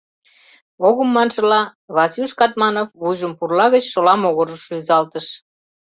Огым маншыла, Васюш Катманов вуйжым пурла гыч шола могырыш рӱзалтыш.